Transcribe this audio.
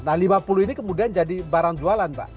nah lima puluh ini kemudian jadi barang jualan pak